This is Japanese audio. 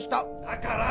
だから！